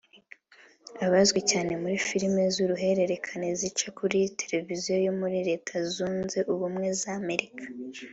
Azwi cyane muri filime z’uruhererekane zica kuri terevizi yo muri Leta zunze Ubumwe za Amerika